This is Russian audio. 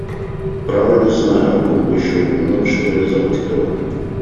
Право, не знаю, о ком бы еще упомянуть, чтобы не забыть кого.